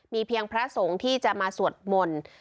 เพียงพระสงฆ์ที่จะมาสวดมนต์